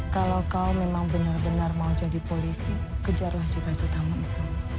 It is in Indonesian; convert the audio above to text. kalau kau memang benar benar mau jadi polisi kejarlah cita citamu itu